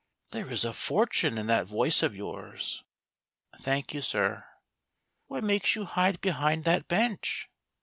" There is a fortune in that voice of yours." " Thank you, sir." " What makes you hide behind that bench